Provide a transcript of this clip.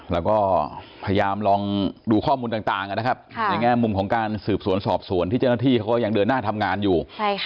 แล้วก็พยายามลองดูข้อมูลต่างนะครับในแง่มุมของการสืบสวนสอบสวนที่เจ้าหน้าที่เขาก็ยังเดินหน้าทำงานอยู่